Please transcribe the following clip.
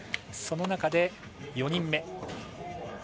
その中で、４人目。